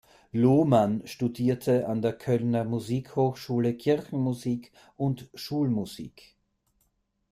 Lohmann studierte an der Kölner Musikhochschule Kirchenmusik und Schulmusik.